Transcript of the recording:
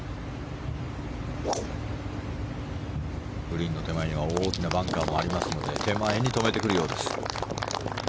グリーンの手前には大きなバンカーもありますので手前に止めてくるようです。